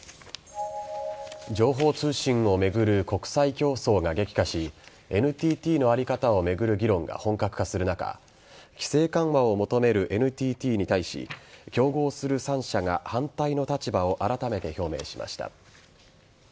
情報通信を巡る国際競争が激化しＮＴＴの在り方を巡る議論が本格化する中規制緩和を求めるＮＴＴに対し競合する３社が反対の立場をあらためて表明しました。